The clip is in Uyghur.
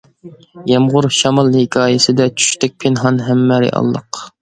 يامغۇر، شامال ھېكايىسىدە، چۈشتەك پىنھان ھەممە رېئاللىق.